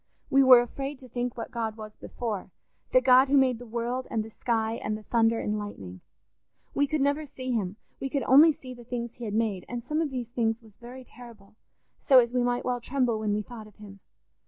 We were afraid to think what God was before—the God who made the world and the sky and the thunder and lightning. We could never see him; we could only see the things he had made; and some of these things was very terrible, so as we might well tremble when we thought of him.